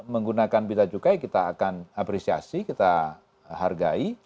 menggunakan bia cukai kita akan apresiasi kita hargai